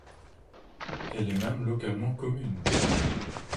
Elle est même localement commune.